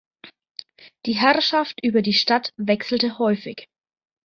Die Herrschaft über die Stadt wechselte häufig.